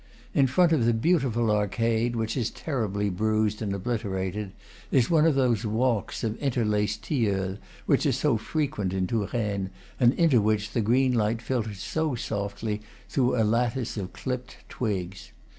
In front of the beautiful arcade, which is terribly bruised and obliterated, is one of those walks of inter laced tilleuls which are so frequent in Touraine, and into which the green light filters so softly through a lattice of clipped twigs.